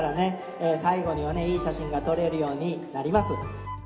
最後にはねいい写真が撮れるようになります。